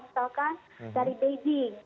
misalkan dari beijing